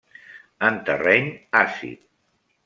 En terreny àcid.